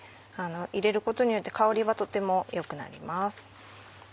入れることによって香りはとても良くなります。